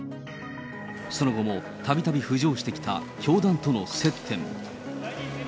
その後もたびたび浮上してきた教団との接点。